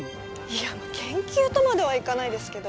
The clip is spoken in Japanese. いや研究とまではいかないですけど。